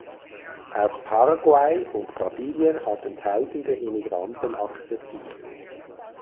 Auch Paraguay und Brasilien hatten tausende Immigranten akzeptiert.